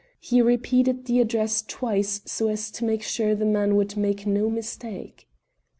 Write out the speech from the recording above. He repeated the address twice, so as to make sure the man would make no mistake.